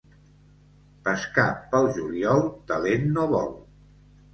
Pescar pel juliol talent no vol.